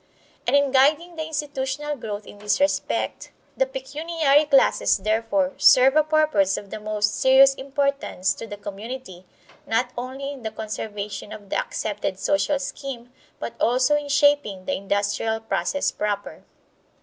And in guiding the institutional growth in this respect, the pecuniary classes, therefore, serve a purpose of the most serious importance to the community, not only in the conservation of the accepted social scheme, but also in shaping the industrial process proper.